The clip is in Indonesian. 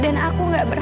dan aku gak bisa